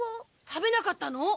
食べなかったの？